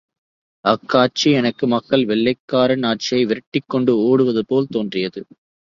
அக்காட்சி எனக்கு மக்கள் வெள்ளைக்காரன் ஆட்சியை விரட்டிக் கொண்டு ஓடுவதுபோல் தோன்றியது.